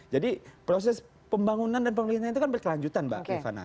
jadi proses pembangunan dan pembelian itu kan berkelanjutan mbak kirvana